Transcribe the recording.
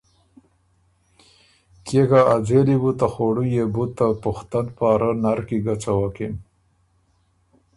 کيې که ا ځېلی بُو ته خوړُو یېبُو ته پُختن پاره نر کی ګۀ څَوکِن